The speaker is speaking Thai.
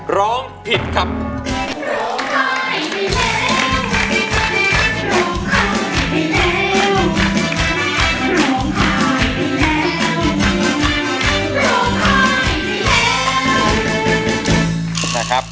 ร้องผิดครับ